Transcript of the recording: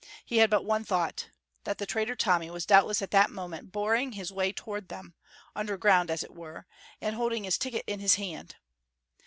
He had but one thought: that the traitor Tommy was doubtless at that moment boring his way toward them, underground, as it were, and "holding his ticket in his hand."